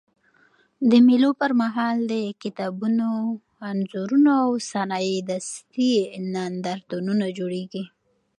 د مېلو پر مهال د کتابونو، انځورونو او صنایع دستي نندارتونونه جوړېږي.